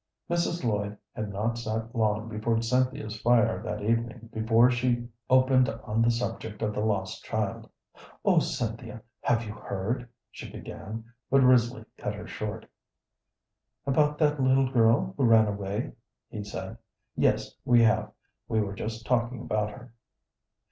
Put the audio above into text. Mrs. Lloyd had not sat long before Cynthia's fire that evening before she opened on the subject of the lost child. "Oh, Cynthia, have you heard " she began, but Risley cut her short. "About that little girl who ran away?" he said. "Yes, we have; we were just talking about her."